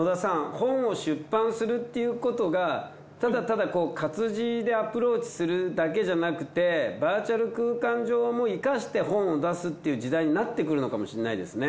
本を出版するっていうことがただただ活字でアプローチするだけじゃなくてバーチャル空間上も生かして本を出すっていう時代になってくるのかもしれないですね。